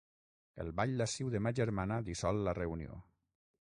El ball lasciu de ma germana dissol la reunió.